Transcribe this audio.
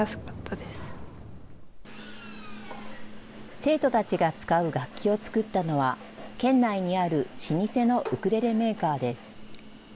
生徒たちが使う楽器を作ったのは、県内にある老舗のウクレレメーカーです。